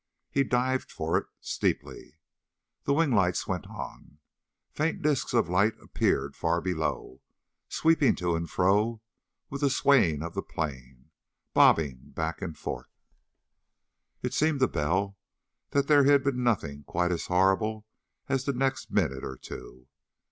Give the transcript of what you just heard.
He dived for it, steeply. The wing lights went on. Faint disks of light appeared far below, sweeping to and fro with the swaying of the plane, bobbing back and forth. It seemed to Bell that there had been nothing quite as horrible as the next minute or two.